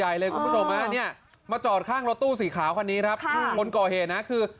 อ้าวแล้วมันจำคนผิด